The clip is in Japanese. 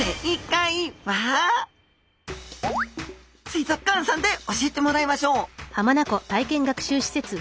水族館さんで教えてもらいましょう！